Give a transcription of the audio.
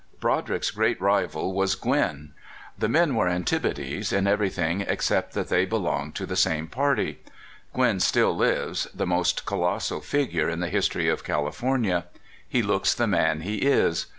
Broderick's great rival was Gwin. The men were antipodes in everything except that they be longed to the same party. Gwin still lives, the most colossal figure in the history of California. He looks the man he is.